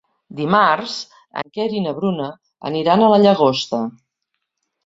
Dimarts en Quer i na Bruna aniran a la Llagosta.